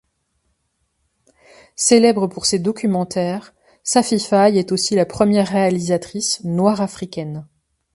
Célèbre pour ses documentaires, Safi Faye est aussi la première réalisatrice noire africaine.